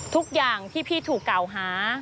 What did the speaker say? ทุกอย่างที่พี่ถูกกล่าวหา